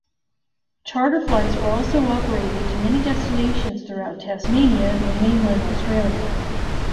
Charter flights were also operated to many destinations throughout Tasmania and mainland Australia.